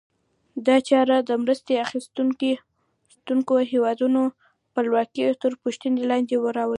دا چاره د مرسته اخیستونکو هېوادونو خپلواکي تر پوښتنې لاندې راولي.